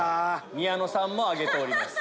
宮野さんも挙げております。